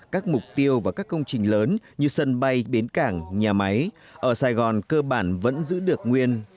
các mục tiêu và các công trình lớn như sân bay bến cảng nhà máy ở sài gòn cơ bản vẫn giữ được nguyên